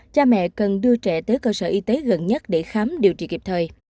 cha mẹ cần đưa trẻ tới cơ sở y tế gần nhất để khám điều trị kịp thời